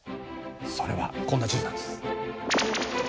それはこんな地図なんです。